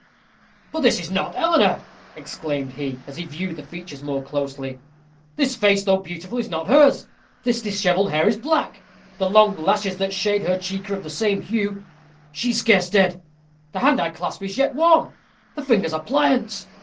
"But this is not Eleanor," exclaimed he, as he viewed the features more closely. "This face, though beautiful, is not hers. This dishevelled hair is black. The long lashes that shade her cheek are of the same hue. She is scarce dead. The hand I clasp is yet warm the fingers are pliant."